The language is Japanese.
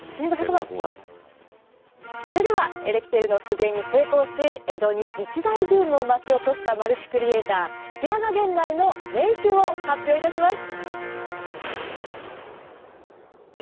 それではエレキテルの復元に成功し江戸に一大ブームを巻き起こしたマルチクリエーター平賀源内の年収を発表いたします。